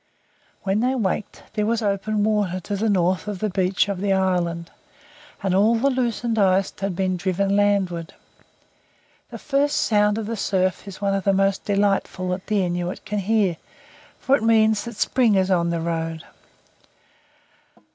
When they waked there was open water on the north beach of the island, and all the loosened ice had been driven landward. The first sound of the surf is one of the most delightful that the Inuit can hear, for it means that spring is on the road.